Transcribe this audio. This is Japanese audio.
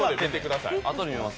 あとで見ます。